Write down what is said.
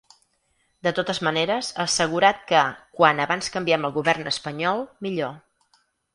De totes manera, ha assegurat que ‘quan abans canviem el govern espanyol, millor’.